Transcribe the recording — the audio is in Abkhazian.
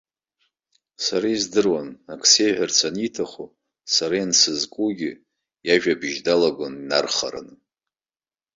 Сара издыруан, акы сеиҳәарц аниҭаху, сара иансызкугьы, иажәабжь далагон инархараны.